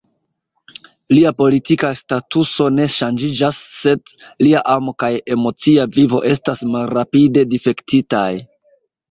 Lia politika statuso ne ŝanĝiĝas, sed lia amo kaj emocia vivo estas malrapide difektitaj.